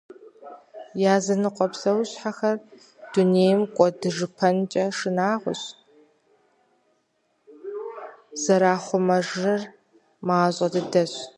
Языныкъуэ псэущхьэхэр дунейм кӀуэдыжыпэнкӏэ шынагъуэщ, зэрыхъужыр мащӏэ дыдэщ.